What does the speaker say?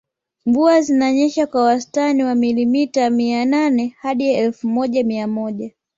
Mvua zinanyesha kwa wastani wa milimita mia nane hadi elfu moja mia moja